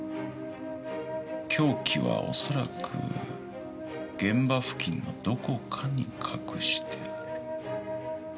凶器はおそらく現場付近のどこかに隠してある。